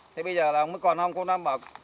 thế bây giờ là không còn không cô nam